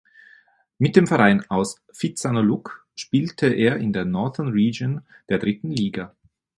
Mit dem Verein aus Phitsanulok spielte er in der Northern Region der dritten Liga.